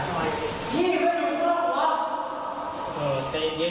อ๋อปืนน่ะซื้อเอง